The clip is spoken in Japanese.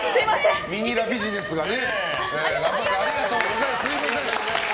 ミニラビジネスがね。